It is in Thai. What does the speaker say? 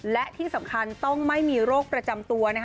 และที่สำคัญต้องไม่มีโรคประจำตัวนะคะ